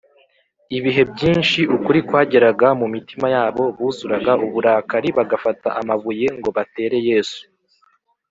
ibihe byinshi ukuri kwageraga mu mitima yabo, buzuraga uburakari, bagafata amabuye ngo batere yesu;